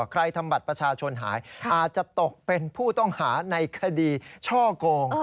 ใครทำบัตรประชาชนหายอาจจะตกเป็นผู้ต้องหาในคดีช่อกง